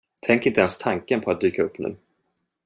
Tänk inte ens tanken på att dyka upp nu.